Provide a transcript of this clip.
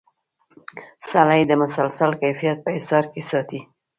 سړی د مسلسل کیفیت په حصار کې ساتي.